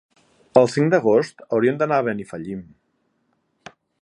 El cinc d'agost hauria d'anar a Benifallim.